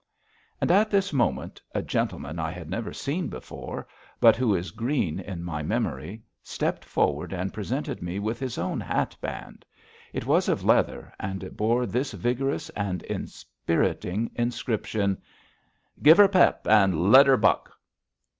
And, at this moment, a gentleman I had never seen before, but who is green in my memory, stepped forward and presented me with his own hat band. It was of leather, and it bore this vigorous and inspiriting inscription: "Give 'er pep and let 'er buck."